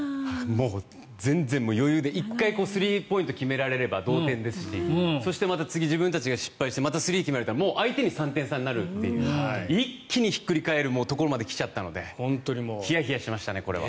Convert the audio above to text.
もう全然、余裕で１回スリーポイントを決められれば同点ですしそしてまた次、自分たちが失敗してまたスリー決められたら相手に３点差になるという一気にひっくり返るところまで来ちゃったのでひやひやしてましたね、これは。